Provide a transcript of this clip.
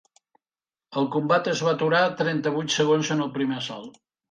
El combat es va aturar trenta-vuit segons en el primer assalt.